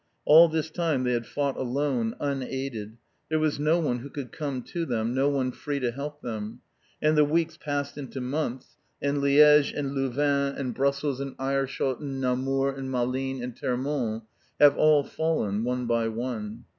All this time they had fought alone, unaided. There was no one who could come to them, no one free to help them. And the weeks passed into months, and Liège, and Louvain, and Brussels, and Aerschot, and Namur, and Malines, and Termonde have all fallen, one by one.